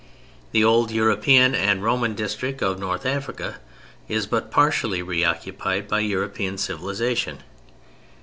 The old European and Roman district of North Africa is but partially re occupied by European civilization.